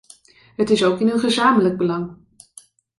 Het is ook in hun gezamenlijk belang.